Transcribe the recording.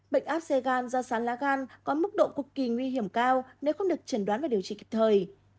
bệnh áp xe gan do sán lá gan có mức độ cực kỳ nguy hiểm cao nếu không được chẩn đoán và điều trị kịp thời